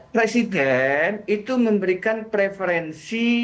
presiden itu memberikan preferensi